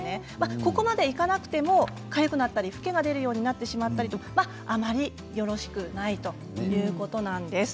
ここまでいかなくてもかゆくなったりフケが出るようになってしまったりとあまりよろしくないということなんです。